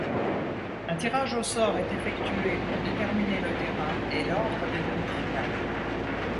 Un tirage au sort est effectué pour déterminer le terrain et l'ordre des demi-finales.